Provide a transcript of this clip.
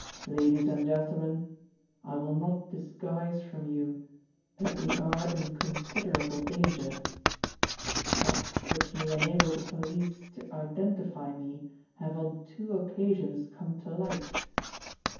Ladies and gentlemen, I will not disguise from you that we are in considerable danger. Facts which may enable the police to identify me have on two occasions come to light.